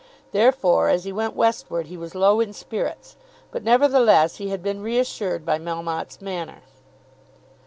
Therefore, as he went westward, he was low in spirits. But nevertheless he had been reassured by Melmotte's manner.